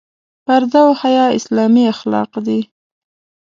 پرده او حیا اسلامي اخلاق دي.